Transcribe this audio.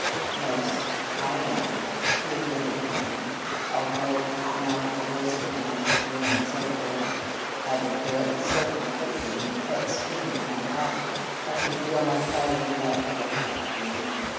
"Yes, I am," he admitted frankly. "Although, now that the worst of my chagrin is over at having failed so completely in the pet scheme of my life, I can feel my fighting blood getting up again.